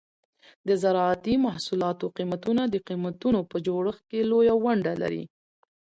د زراعتي محصولاتو قیمتونه د قیمتونو په جوړښت کې لویه ونډه لري.